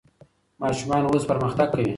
ماشومان اوس پرمختګ کوي.